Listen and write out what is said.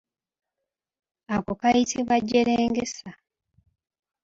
Ako kayitibwa jjerengesa.